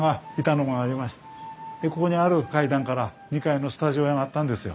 でここにある階段から２階のスタジオへ上がったんですよ。